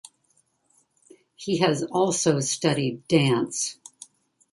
He has also studied dance.